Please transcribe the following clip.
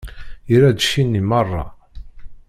Irra-d cci-nni meṛṛa.